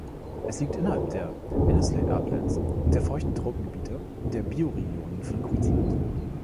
Es liegt innerhalb der Einasleigh Uplands und der feuchten Tropengebiete der Bioregionen von Queensland.